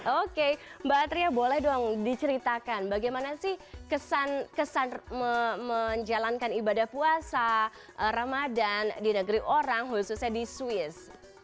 oke mbak atria boleh dong diceritakan bagaimana sih kesan menjalankan ibadah puasa ramadan di negeri orang khususnya di swiss